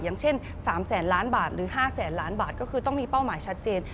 อย่างเช่น๓แสนล้านบาทหรือ๕แสนล้านบาทก็คือต้องมีเป้าหมายชัดเจน